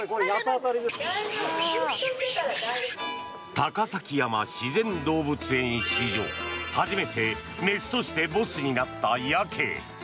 高崎山自然動物園史上初めて雌としてボスになったヤケイ。